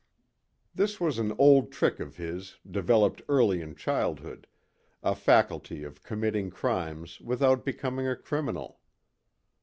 This was an old trick of his, developed early in childhood a faculty of committing crimes without becoming a criminal.